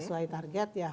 sesuai target ya